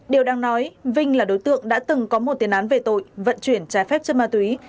điều đang nói vinh là đối tượng đã từng có một tiền án về tội vận chuyển trái phép chân ma túy